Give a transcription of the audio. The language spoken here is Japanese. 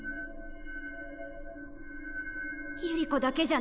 百合子だけじゃない！